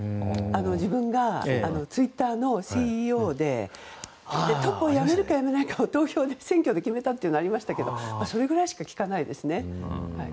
自分がツイッターのＣＥＯでトップを辞めるか辞めないかを選挙で決めたってのもありましたけどそれぐらいしか聞かないですね。